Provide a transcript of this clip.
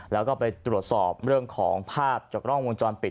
แล้วก็ไปตรวจสอบเรื่องของภาพจากกล้องวงจรปิด